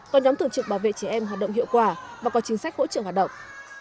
còn nhóm thường trực bảo vệ trẻ em hoạt động hiệu quả và có chính sách hỗ trợ hoạt động